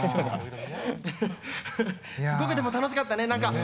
すごくでも楽しかったね何か。